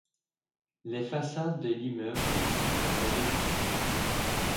Les façades de l'immeuble sont en briques.